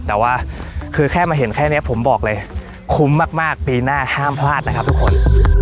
แต่ว่าคือแค่มาเห็นแค่นี้ผมบอกเลยคุ้มมากปีหน้าห้ามพลาดนะครับทุกคน